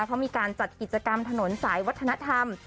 เขามีการจัดกิจกรรมถนนสายวัฒนธรรม